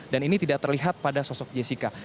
dan ini tidak terlihat pada sosok jessica